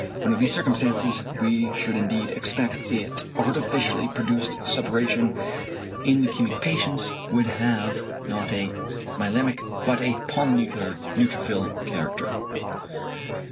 Under these circumstances we should indeed expect that artificially produced suppuration in leukæmic patients would have, not a myelæmic, but a polynuclear neutrophil character.